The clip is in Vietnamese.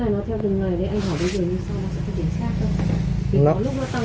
anh hỏi bây giờ như sao nó sẽ có tiền khác không